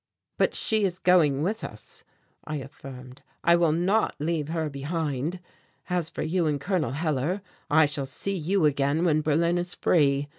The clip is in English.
"But she is going with us," I affirmed. "I will not leave her behind. As for you and Col Hellar, I shall see you again when Berlin is free.